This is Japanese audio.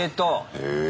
へえ。